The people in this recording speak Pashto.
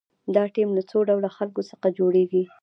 دا ټیم له څو ډوله خلکو څخه جوړیږي.